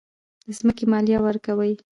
د ځمکې مالیه ورکوئ؟